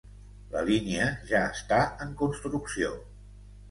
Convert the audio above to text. La línia ja està en construcció.